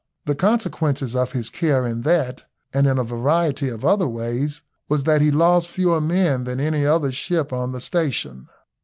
The consequence of his care in that and in a variety of other ways, was that he lost fewer men than any other ship on the station.